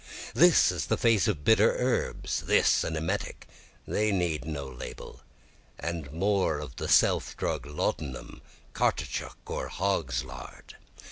This is a face of bitter herbs, this an emetic, they need no label, And more of the drug shelf, laudanum, caoutchouc, or hog's lard.